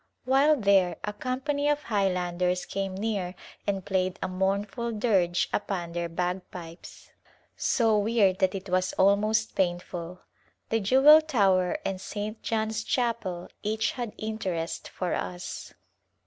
While there a company of Highlanders came near and played a mournful dirge upon their bagpipes — so weird that it was almost painful. The Jewel Tower and St, John's Chapel each had interest for us.